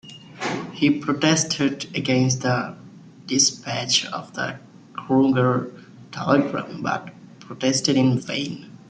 He protested against the despatch of the Kruger telegram, but protested in vain.